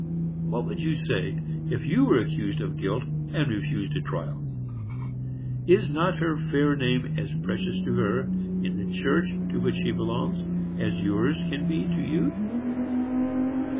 What would you say, if you were accused of guilt, and refused a trial? Is not her fair name as precious to her, in the church to which she belongs, as yours can be to you?